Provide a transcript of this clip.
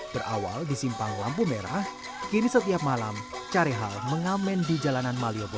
berawal di simpang lampu merah kini setiap malam cari hal mengamen di jalanan maliobo